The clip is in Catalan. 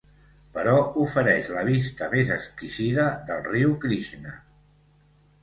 Però ofereix la vista més exquisida del riu Krishna.